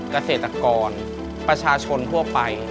เกษตรกรประชาชนทั่วไป